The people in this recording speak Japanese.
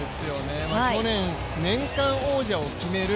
去年、年間王者を決める